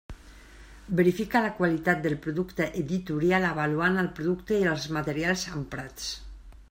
Verifica la qualitat del producte editorial avaluant el producte i els materials emprats.